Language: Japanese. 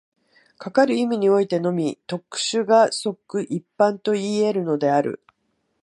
かかる意味においてのみ、特殊が即一般といい得るのである。